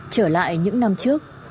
trở lại những năm trước